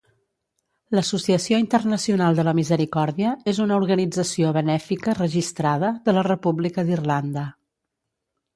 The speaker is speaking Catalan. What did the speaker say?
L'Associació Internacional de la Misericòrdia és una organització benèfica registrada de la República d'Irlanda.